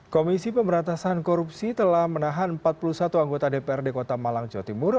komisi pemberantasan korupsi telah menahan empat puluh satu anggota dprd kota malang jawa timur